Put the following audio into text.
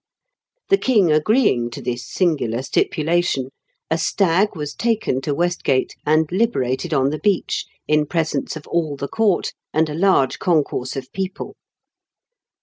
The king agreeing to this singular stipulation, a stag was taken to West gate, and liberated on the beach, in presence of all the court and a large concourse of people.